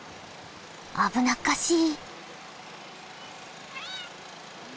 危なっかしい。